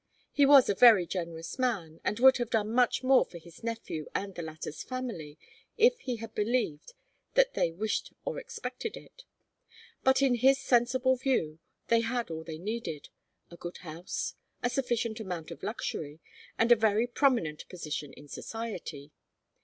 He was a very generous man, and would have done much more for his nephew and the latter's family if he had believed that they wished or expected it. But in his sensible view, they had all they needed, a good house, a sufficient amount of luxury, and a very prominent position in society.